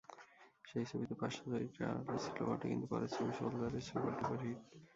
সেই ছবিতে পার্শ্বচরিত্রের আড়াল ছিল বটে, কিন্তু পরের ছবি সোলজার-এ সুপারডুপার হিট।